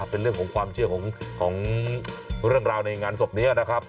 เป็นเรื่องของความเชื่อของเรื่องราวในงานศพนี้นะครับ